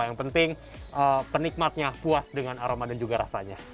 yang penting penikmatnya puas dengan aroma dan juga rasanya